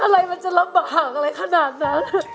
รับบากอะไรขนาดนั้น